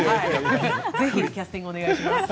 ぜひキャスティングをお願いします。